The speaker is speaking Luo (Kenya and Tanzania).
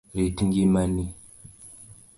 Rit ngima ni.